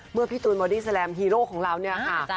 เมื่อพี่ตูนบลอดิสแสแลมพิโรของเราเนี่ยค่ะ